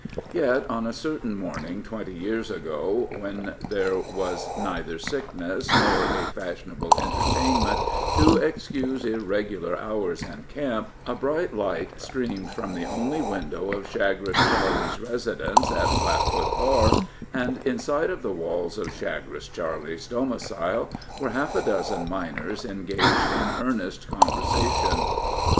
Yet, on a certain morning twenty years ago, when there was neither sickness nor a fashionable entertainment to excuse irregular hours in camp, a bright light streamed from the only window of Chagres Charley's residence at Flatfoot Bar, and inside of the walls of Chagres Charley's domicile were half a dozen miners engaged in earnest conversation.